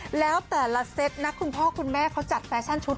เพราะแต่ละเซ็ทนักคุณพ่อคุณแม่เขาจัดแฟชั่นชุด